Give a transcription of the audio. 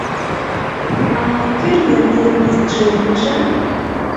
— А кӧ лийын тиде мисс Дженниже?